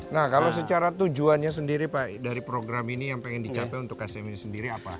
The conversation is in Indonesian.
nah kalau secara tujuannya sendiri pak dari program ini yang pengen dicapai untuk sm ini sendiri apa